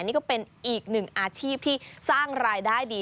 นี่ก็เป็นอีกหนึ่งอาชีพที่สร้างรายได้ดี